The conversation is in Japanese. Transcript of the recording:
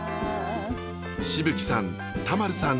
紫吹さん田丸さん